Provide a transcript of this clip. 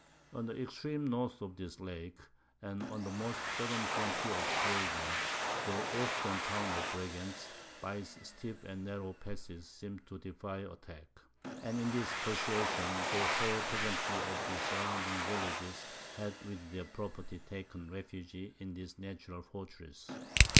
On the extreme north of this lake, and on the most southern frontier of Suabia, the Austrian town of Bregentz, by its steep and narrow passes, seemed to defy attack; and in this persuasion, the whole peasantry of the surrounding villages had with their property taken refuge in this natural fortress.